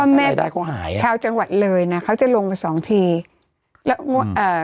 อะไรได้ก็หายชาวจังหวัดเลยน่ะเขาจะลงมาสองทีแล้วอ่า